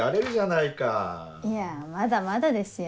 いやまだまだですよ。